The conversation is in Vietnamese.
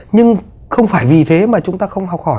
nhưng không phải vì thế mà chúng ta không học hỏi